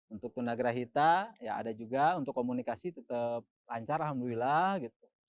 untuk tuna gerah hita ya ada juga untuk komunikasi tetap lancar alhamdulillah